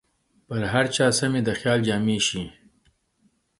پر هر چا سمې د خیال جامې شي